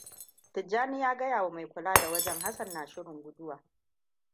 Tijjani ya gayawa mai kula da wajen Hassan na shirin guduwa.